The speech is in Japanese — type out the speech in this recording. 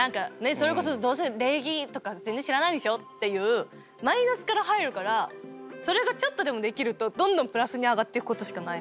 それこそどうせ礼儀とか全然知らないでしょっていうマイナスから入るからそれがちょっとでもできるとどんどんプラスに上がっていくことしかない。